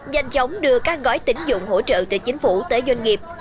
nhanh chóng đưa các gói tính dụng hỗ trợ từ chính phủ tới doanh nghiệp